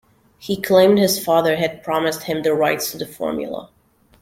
He claimed his father had promised him the rights to the formula.